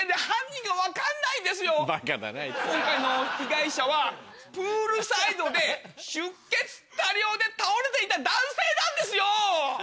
今回の被害者はプールサイドで出血多量で倒れていた男性なんですよ！